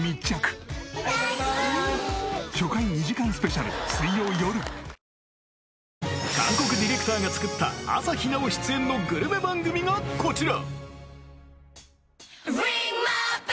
「カルピス ＴＨＥＲＩＣＨ」韓国ディレクターが作った朝日奈央出演のグルメ番組がこちら